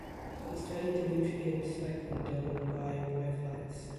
She studied the nutrient cycling done by bryophytes.